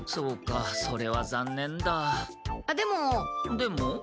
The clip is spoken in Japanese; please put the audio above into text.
でも？